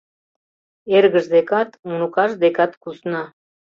Эргыж декат, уныкаж декат кусна.